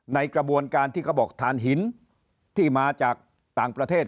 ในกระบวนการที่เขาบอกฐานหินที่มาจากต่างประเทศ